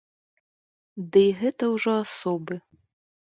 Дый гэта ўжо асобы.